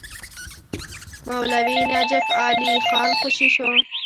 مولوي نجف علي خان خوشي شو.